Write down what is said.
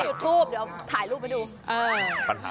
ต้องยูทูปเดี๋ยวถ่ายรูปไปดู